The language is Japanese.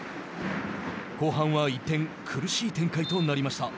後半は一転苦しい展開となりました。